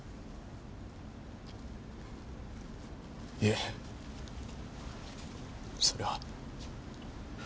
いえそれは。